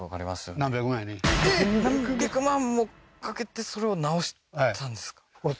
何百万もかけてそれを直したんですか？